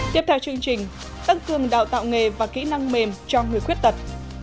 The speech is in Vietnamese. tiếp theo chương trình tăng cường đào tạo nghề và kỹ năng mềm cho người khuyết tật